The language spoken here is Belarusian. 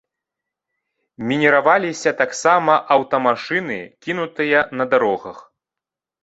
Мініраваліся таксама аўтамашыны, кінутыя на дарогах.